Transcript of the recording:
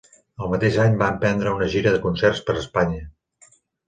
El mateix any va emprendre una gira de concerts per Espanya.